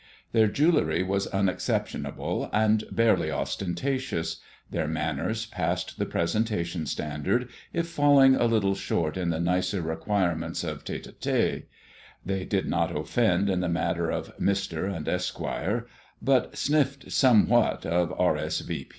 Their jewellery was unexceptionable, and barely ostentatious; their manners passed the presentation standard, if falling a little short in the nicer requirements of the tête à tête. They did not offend in the matter of "Mr." and "Esq.," but sniffed somewhat of "R. S. V.